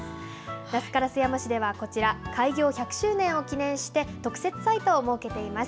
那須烏山市ではこちら、開業１００周年を記念して特設サイトを設けています。